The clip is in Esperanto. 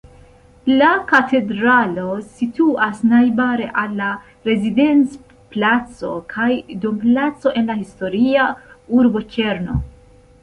La katedralo situas najbare al la Rezidenz-placo kaj Dom-placo en la historia urbokerno.